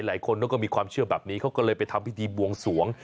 หลายคนเขาก็มีความเชื่อแบบนี้เขาก็เลยไปทำพิธีบวงสวง